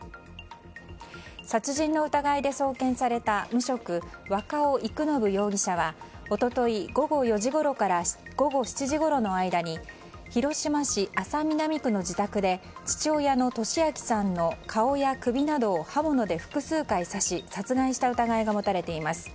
殺人の疑いで送検された無職、若尾育伸容疑者は一昨日午後４時ごろから午後７時ごろの間に広島市安佐南区の自宅で父親の利明さんの顔や首などを刃物で複数回刺し殺害した疑いが持たれています。